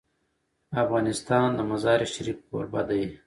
افغانستان د مزارشریف کوربه دی.